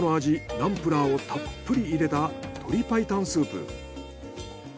ナンプラーをたっぷり入れた鶏白湯スープ。